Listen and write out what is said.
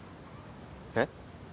えっ？